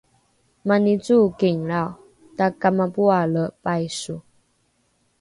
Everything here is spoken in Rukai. mani cookinglrao takamapo’ale paiso